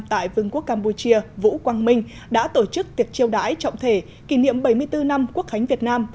tại vương quốc campuchia vũ quang minh đã tổ chức tiệc chiêu đãi trọng thể kỷ niệm bảy mươi bốn năm quốc khánh việt nam